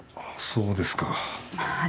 そうです